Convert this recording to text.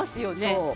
そう。